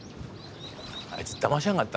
あいつだましやがったな。